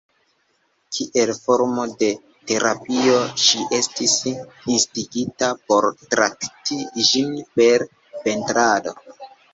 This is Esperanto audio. Kiel formo de terapio, ŝi estis instigita por trakti ĝin per pentrado.